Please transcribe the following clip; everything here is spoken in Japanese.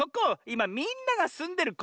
いまみんながすんでる